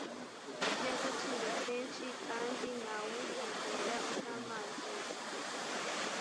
ry agaciro kenshi kandi nta wuryizera uzamanjirwa